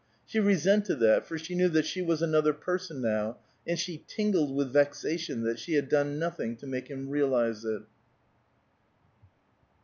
She resented that, for she knew that she was another person now, and she tingled with vexation that she had done nothing to make him realize it.